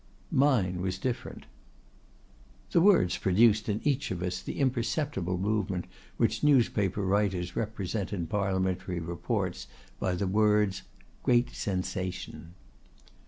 "Mine was different." The words produced in each of us the imperceptible movement which newspaper writers represent in Parliamentary reports by the words: great sensation.